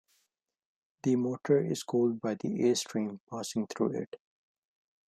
The motor is cooled by the airstream passing through it.